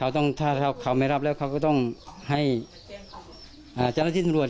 ต้องส่งไปให้ด้วย